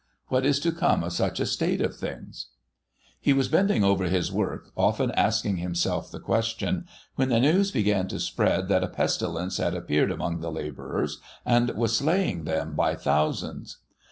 What is to come of such a state of things !' He was bending over his work, often asking himself the question, when the news began to spread that a pestilence had appeared among the labourers, and was slaying them by thousands.